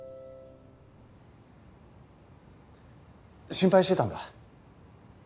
心配してたんだ。